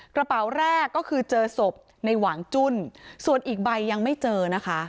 กระเป๋าแรกก็คือเจอศพในหวังจุ้นส่วนอีกใบยังไม่เจอนะคะ